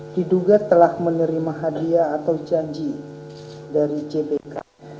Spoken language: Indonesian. diduga telah menerima hadiah atau janji dari cbk